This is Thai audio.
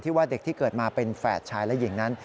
ว่าเด็กที่เกิดมาเป็นแฝดชายและหญิงนั้น